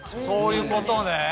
そういうことね。